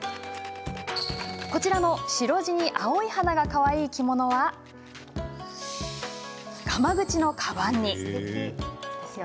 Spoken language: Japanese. こちらの白地に青い花が、かわいい着物はがまぐちのかばんに。